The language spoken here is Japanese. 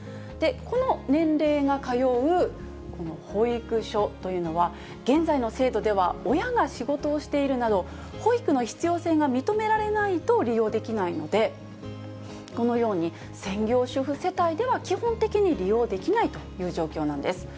この年齢が通う保育所というのは、現在の制度では、親が仕事をしているなど、保育の必要性が認められないと利用できないので、このように専業主婦世帯では基本的に利用できないという状況なんです。